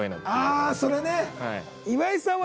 ああーそれね！